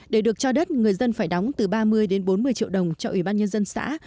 để được cho đất người dân phải đóng từ ba mươi đến bốn mươi triệu đồng cho ủy ban nhân dân xã